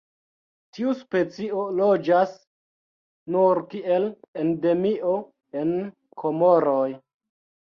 Tiu specio loĝas nur kiel endemio en Komoroj.